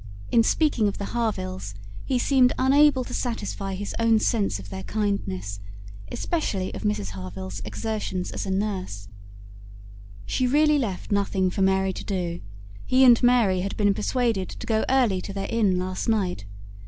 In speaking of the Harvilles, he seemed unable to satisfy his own sense of their kindness, especially of Mrs Harville's exertions as a nurse. "She really left nothing for Mary to do. He and Mary had been persuaded to go early to their inn last night.